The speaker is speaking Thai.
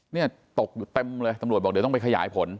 เนี่ยตกอยู่เต็มเลยตำรวจบอกเดี๋ยวต้องไปขยายผล